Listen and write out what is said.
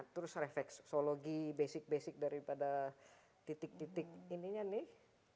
terus reflexologi basic basic daripada titik titik ininya nih